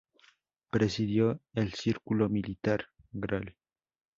Presidió el Círculo Militar "Gral.